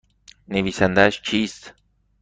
نویسندهاش کیست؟